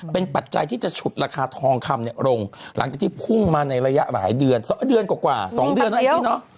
เป็นปัจจัยที่จะฉุดราคาทองคำเนี่ยลงหลังจากที่พุ่งมาในระยะหลายเดือนเดือนกว่า๒เดือนนะแองจี้เนอะ